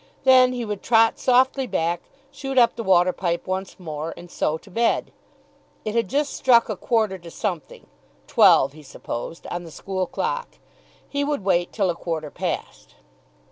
Then he would trot softly back, shoot up the water pipe once more, and so to bed. It had just struck a quarter to something twelve, he supposed on the school clock. He would wait till a quarter past.